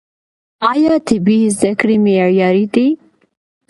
آیا طبي زده کړې معیاري دي؟